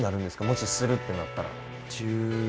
もしするってなったら。